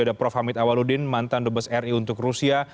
ada prof hamid awaludin mantan dubes ri untuk rusia